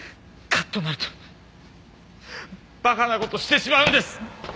カッとなるとバカな事をしてしまうんです！